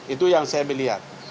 itu yang saya melihat